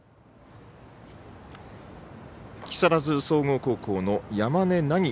木更津総合高校の山根凪